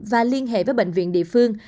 và liên hệ với bệnh viện địa phương